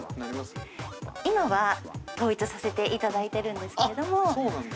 ◆今は統一させていただいてるんですけれども。